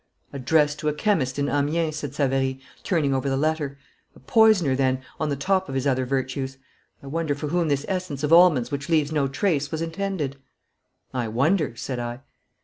"' 'Addressed to a chemist in Amiens,' said Savary, turning over the letter. 'A poisoner then, on the top of his other virtues. I wonder for whom this essence of almonds which leaves no trace was intended.' 'I wonder,' said I.